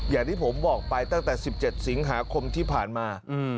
อย่างที่ผมบอกไปตั้งแต่๑๗สิงหาคมที่ผ่านมา